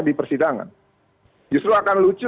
di persidangan justru akan lucu